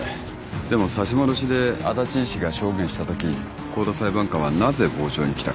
でも差し戻しで足達医師が証言したとき香田裁判官はなぜ傍聴に来たか。